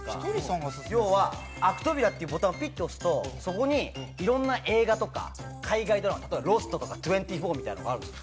要はアクトビラっていうボタンをピッと押すとそこにいろんな映画とか海外ドラマ例えば『ＬＯＳＴ』とか『２４−ＴＷＥＮＴＹＦＯＵＲ−』みたいなのがあるんです。